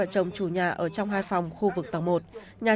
còn ngỗ cũng khá là hoảng loạn